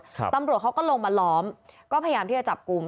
ตำรวจเขาก็ลงมาล้อมก็พยายามที่จะจับกลุ่ม